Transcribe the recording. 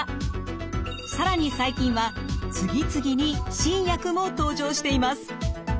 更に最近は次々に新薬も登場しています。